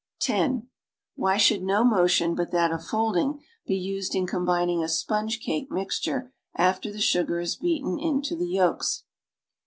(10) Why should no motion but th;it of folding be used in combining a sponge cake mixture after the sugar is beaten into the yolks.'